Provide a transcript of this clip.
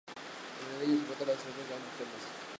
En el cuadernillo se encuentran las letras de ambos temas.